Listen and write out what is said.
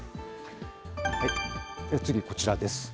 次、こちらです。